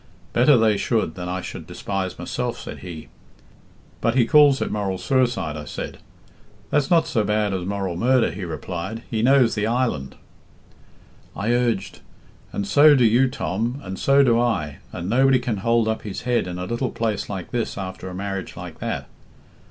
'Better they should than I should despise myself,' said he. 'But he calls it moral suicide,' I said. 'That's not so bad as moral murder,' he replied. 'He knows the island,' I urged, 'and so do you, Tom, and so do I, and nobody can hold up his head in a little place like this after a marriage like that.'